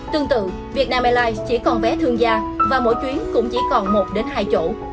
tương tự việt nam airlines chỉ còn vé thương gia và mỗi chuyến cũng chỉ còn một đến hai chỗ